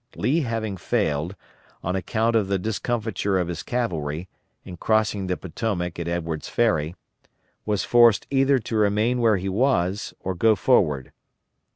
Lee having failed, on account of the discomfiture of his cavalry, in crossing the Potomac at Edwards' Ferry, was forced either to remain where he was or go forward.